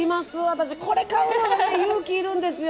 私これ買うのが勇気いるんですよ。